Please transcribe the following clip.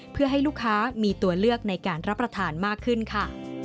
เพื่อให้ลูกค้ามีตัวเลือกในการรับประทานมากขึ้นค่ะ